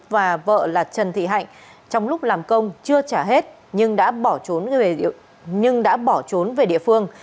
và vợ là trần thị hạnh trong lúc làm công chưa trả hết nhưng đã bỏ trốn về địa phương